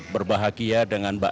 berbahagia dengan bapak